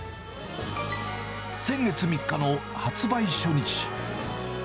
先月３日の発売初日。